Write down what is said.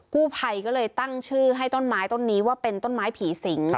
กู้ภัยก็เลยตั้งชื่อให้ต้นไม้ต้นนี้ว่าเป็นต้นไม้ผีสิง